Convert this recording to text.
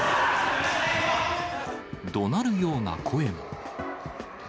どなるような声も。